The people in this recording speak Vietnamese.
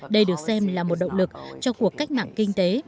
đây được xem là một động lực cho cuộc cách mạng kinh tế